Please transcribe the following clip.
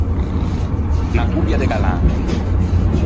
Unna cobbia de galanti.